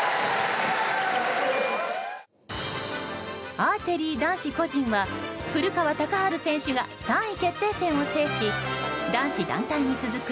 アーチェリー男子個人は古川高晴選手が３位決定戦を制し男子団体に続く